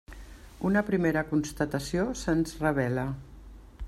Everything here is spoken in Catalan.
Una primera constatació se'ns revela.